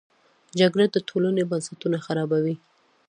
جګړه د ټولنې بنسټونه خرابوي